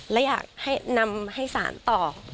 และอยากให้นำให้สารต่อ